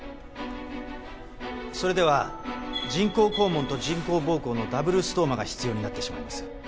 それでは人工肛門と人工膀胱のダブルストーマが必要になってしまいます。